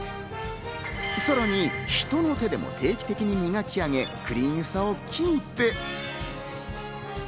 さらに人の手でも定期的に磨き上げ、クリーンさをキープ。